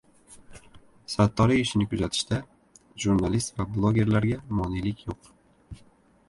"Sattoriy ishi"ni kuzatishda jurnalist va blogerlarga monelik yo‘q"